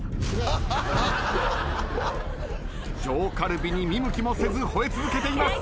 上カルビに見向きもせず吠え続けています。